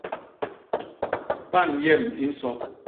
Pan yem i nso.